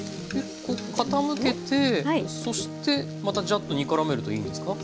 傾けてそしてまたジャッと煮からめるといいんですか？